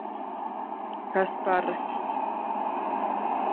Kas par...